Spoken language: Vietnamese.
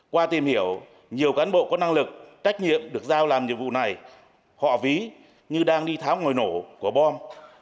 qua tìm hiểu nhiều cán bộ có năng lực trách nhiệm được giao làm nhiệm vụ này họ ví như đang đi tháo ngồi nổ của bom